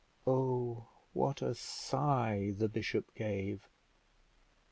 Oh, what a sigh the bishop gave!